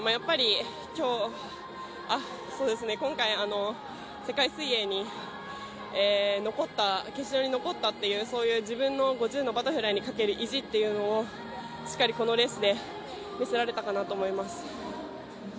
今回、世界水泳に残った決勝に残ったっていうそういう自分の、５０のバタフライにかける意地というのをしっかり、このレースで見せられたかなと思います。